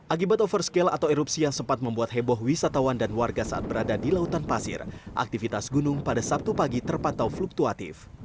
akibat overscale atau erupsi yang sempat membuat heboh wisatawan dan warga saat berada di lautan pasir aktivitas gunung pada sabtu pagi terpantau fluktuatif